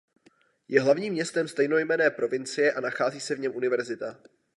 Je hlavním městem stejnojmenné provincie a nachází se v něm univerzita.